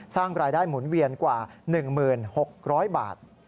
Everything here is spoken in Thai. สร้างรายได้หมุนเวียนกว่า๑๖๐๐บาท